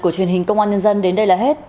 của truyền hình công an nhân dân đến đây là hết